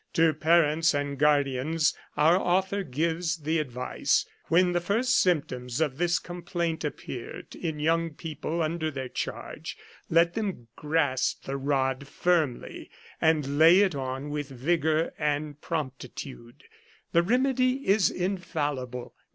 To parents and guardians our author gives the advice, when the first symptoms of this complaint appear in young people under their charge, let them grasp the rod firmly, and lay it on with vigour and promptitude. The remedy is infallible.